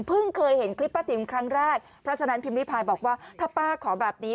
เคยเห็นคลิปป้าติ๋มครั้งแรกเพราะฉะนั้นพิมพิพายบอกว่าถ้าป้าขอแบบนี้